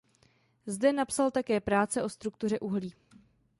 Zde napsal také práce o struktuře uhlí.